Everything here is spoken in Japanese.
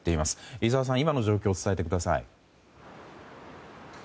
井澤さん、今の状況を伝えてください。